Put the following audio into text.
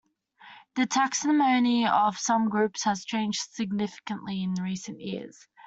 The taxonomy of some groups has changed significantly in recent years.